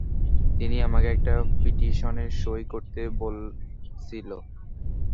তিনি আমাকে একটা পিটিশনে সঁই করতে বলছিল।